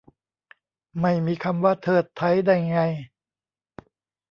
ไม่มีคำว่า เทิด ไท้ ได้ไง